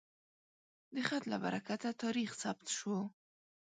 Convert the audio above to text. د خط له برکته تاریخ ثبت شو.